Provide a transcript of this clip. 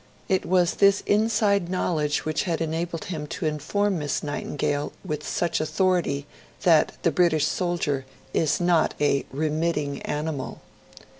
It was this inside knowledge which had enabled him to inform Miss Nightingale with such authority that 'the British soldier is not a remitting animal'.